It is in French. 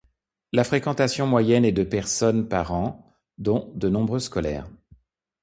La fréquentation moyenne est de personnes par an, dont de nombreux scolaires.